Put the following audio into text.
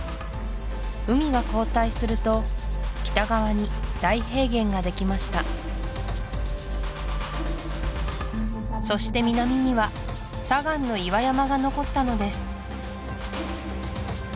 海が後退すると北側に大平原ができましたそして南には砂岩の岩山が残ったのです